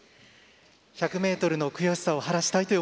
１００ｍの悔しさを晴らしたいという